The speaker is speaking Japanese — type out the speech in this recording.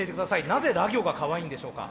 なぜら行がかわいいんでしょうか。